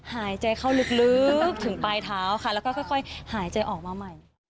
หายใจเข้าลึกถึงปลายเท้าค่ะแล้วก็ค่อยหายใจออกมาใหม่